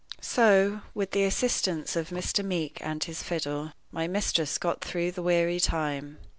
So, with the assistance of Mr. Meeke and his fiddle, my mistress got though the weary time.